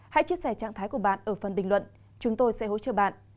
hãy chia sẻ trạng thái của bạn ở phần bình luận chúng tôi sẽ hỗ trợ bạn